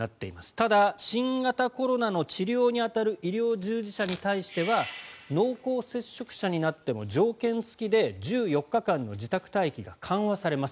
ただ新型コロナの治療に当たる医療従事者に対しては濃厚接触者になっても条件付きで１４日間の自宅待機が緩和されます。